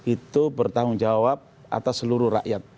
itu bertanggung jawab atas seluruh rakyat